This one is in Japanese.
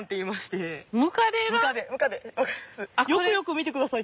よくよく見てください。